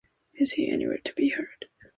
Is he anywhere to be heard?